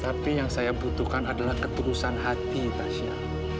tapi yang saya butuhkan adalah ketulusan hati tasya